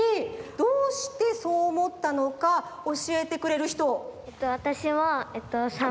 どうしてそうおもったのかおしえてくれるひと？